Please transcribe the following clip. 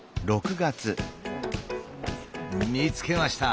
見つけました！